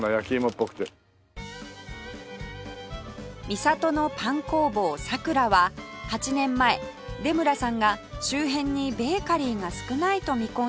みさとのパン工房サクラは８年前出村さんが周辺にベーカリーが少ないと見込んでオープン